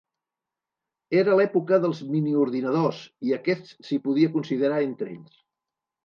Era l'època dels miniordinadors i aquest s'hi podia considerar entre ells.